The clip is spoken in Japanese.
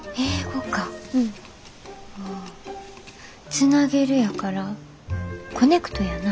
つなげるやからコネクトやな。